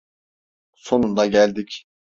Sonunda geldik.